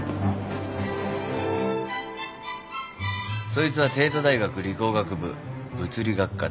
そいつは帝都大学理工学部物理学科